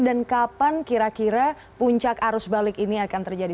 dan kapan kira kira puncak arus balik ini akan terjadi